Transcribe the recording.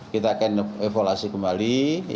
kita akan evaluasi kembali